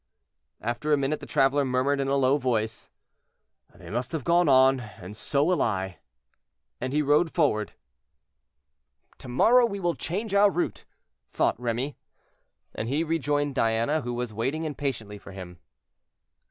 After a minute the traveler murmured in a low voice, "They must have gone on, and so will I," and he rode forward. "To morrow we will change our route," thought Remy. And he rejoined Diana, who was waiting impatiently for him.